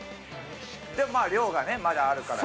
でもまあ量がねまだあるから。